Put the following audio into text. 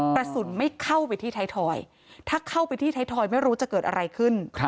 กระสุนไม่เข้าไปที่ไทยทอยถ้าเข้าไปที่ไทยทอยไม่รู้จะเกิดอะไรขึ้น